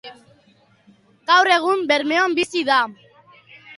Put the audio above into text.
Gaur egun Bermeon bizi da.